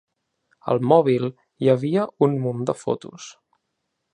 Al mòbil hi havia un munt de fotos.